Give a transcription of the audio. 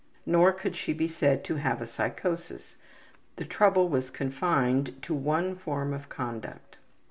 Nor could she be said to have a psychosis. The trouble was confined to one form of conduct.